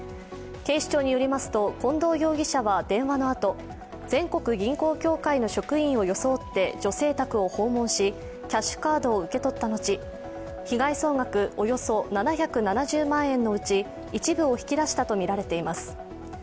警視庁によりますと、近藤容疑者は電話のあと全国銀行協会の職員を装って女性宅を訪問し、キャッシュカードを受け取ったのち、被害総額およそ７７０万円のうち一部を引き出したとみられています。